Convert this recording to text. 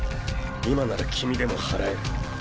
今なら君でも祓える。